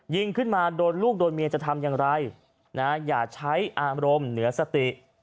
ยิงขึ้นมาโดนลูกโดนเมียจะทำอย่างไรอย่าใช้อารมณ์เหนือสติ